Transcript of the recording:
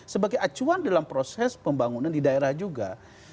sebagai acuan dalam proses pembangunan di daerah juga